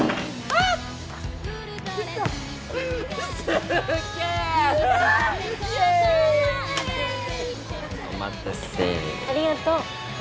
ありがとう。